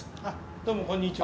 どうもこんにちは。